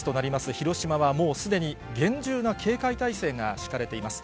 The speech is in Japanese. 広島はもう、すでに厳重な警戒態勢が敷かれています。